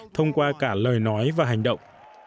thông qua cả lời nói và hành động